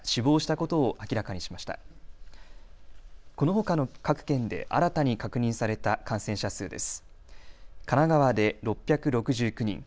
このほかの各県で新たに確認された感染者数です。